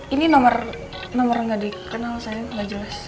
ini nomer gak dikenal saya gak jelas